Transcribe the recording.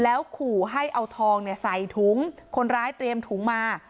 แล้วขู่ให้เอาทองเนี่ยใส่ถุงคนร้ายเตรียมถุงมา